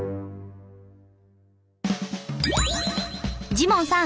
ジモンさん